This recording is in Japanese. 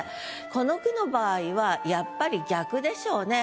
この句の場合はやっぱり逆でしょうね。